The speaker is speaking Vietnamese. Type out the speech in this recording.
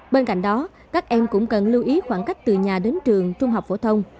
bên cạnh đó các em cũng cần lưu ý khoảng cách từ nhà đến trường trung học phổ thông